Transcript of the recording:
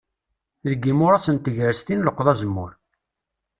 Deg yimuras n tegrest i nleqqeḍ azemmur.